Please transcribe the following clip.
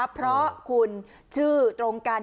เพราะคุณชื่อตรงกัน